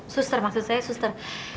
suster maksud saya suster